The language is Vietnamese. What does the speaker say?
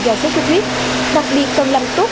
do sốt khuyết đặc biệt cần làm tốt